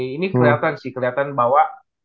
ini keliatan sih keliatan bahwa